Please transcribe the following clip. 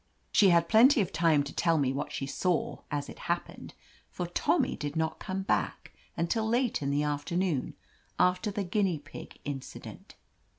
She had plenty of time to tell me what she saw, as it happened, for Tommy did not come back until late in the afternoon, after the guinea pig incident.